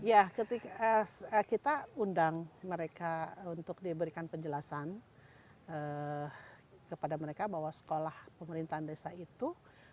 ya ketika kita undang mereka untuk diberikan penjelasan kepada mereka bahwa sekolah pemerintahan desa itu